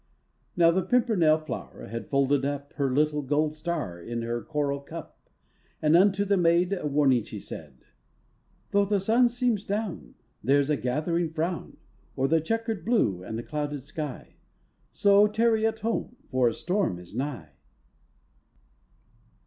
Now the Pimpernel flower had folded up Her little gold star in her coral cup. And unto the maid A warning she said: "Though the sun seems down There's a gathering frown O'er the checkered blue of the clouded sky So, tarry at home! for a storm is nigh!"